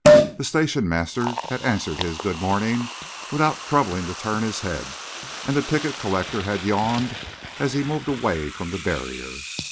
The station master had answered his "Good morning" without troubling to turn his head, and the ticket collector had yawned as he moved away from the barrier.